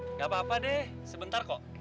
nggak apa apa deh sebentar kok